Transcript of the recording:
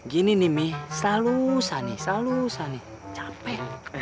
gini nih mi selalu san selalu san capek